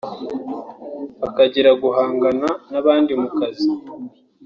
Bakagira guhangana n’abandi mu kazi